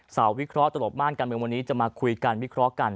วิเคราะห์ตลบม่านการเมืองวันนี้จะมาคุยกันวิเคราะห์กัน